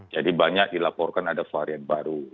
jadi banyak dilaporkan ada varian baru